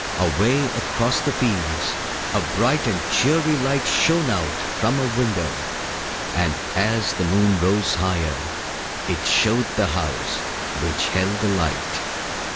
Away across the fields a bright and cheery light shone out from a window, and as the moon rose higher, it showed the house which held the light.